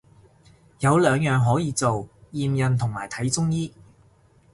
有兩樣可以做，驗孕同埋睇中醫